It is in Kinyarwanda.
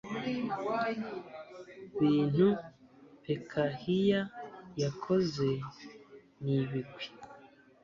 bintu pekahiya yakoze n ibigwi